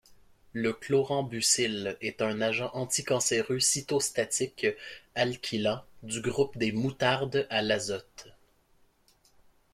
Le chlorambucil est un agent anticancéreux cytostatique alkylant du groupe des moutardes à l'azote.